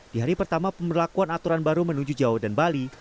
di hari pertama pemberlakuan aturan baru menuju jawa dan bali